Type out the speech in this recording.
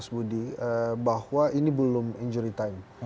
bahwa ini belum injury time